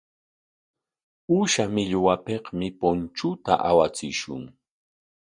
Uusha millwapikmi punchuta awachishun.